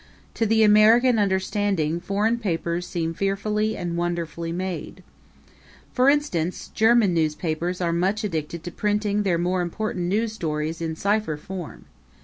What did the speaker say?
To the American understanding foreign papers seem fearfully and wonderfully made. For instance, German newspapers are much addicted to printing their more important news stories in cipher form.